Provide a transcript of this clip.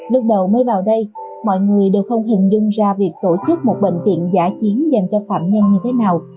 lúc đầu mới vào đây mọi người đều không hình dung ra việc tổ chức một bệnh viện giả chiến dành cho phạm nhân như thế nào